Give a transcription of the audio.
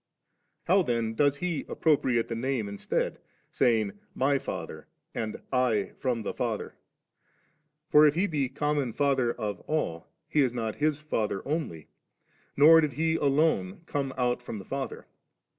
How then does He appropriate the name instead, saying, * My Father,' and ' I from the Father 3 ?' for if He be common Father of all. He is not His Father only, nor did He alone come out from the Father.